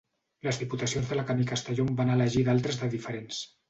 Les diputacions d'Alacant i Castelló en van elegir d'altres de diferents.